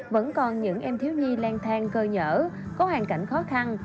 vẫn còn những em thiếu nhi lang thang cơ nhở có hoàn cảnh khó khăn